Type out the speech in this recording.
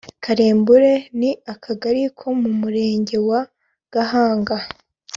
Karembure ni akagari ko mu murenge wa Gahanga